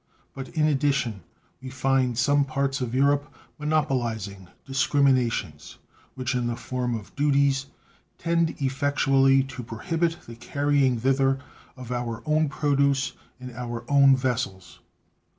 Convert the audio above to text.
But in addition we find in some parts of Europe monopolizing discriminations, which in the form of duties tend effectually to prohibit the carrying thither our own produce in our own vessels.